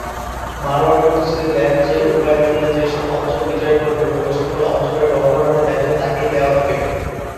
মারওয়ান প্রতিশ্রুতি দেন যে উবাইদুল্লাহ যেসব অঞ্চল বিজয় করবেন ঐ সকল অঞ্চলের গভর্নরের দায়িত্ব তাকেই দেওয়া হবে।